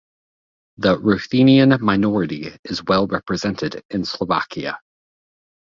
The Ruthenian minority is well represented in Slovakia.